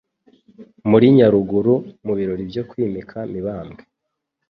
muri Nyaruguru, mu birori byo kwimika Mibambwe